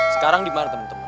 sekarang dimana temen temen